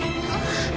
あっ。